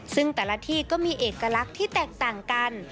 ซึ่งแต่ละที่ก็มีเอกลักษณ์ที่แตกต่างกัน